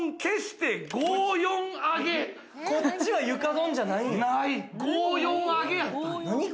こっちは床ドンやないんや。